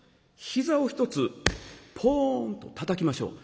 膝を１つポーンとたたきましょう。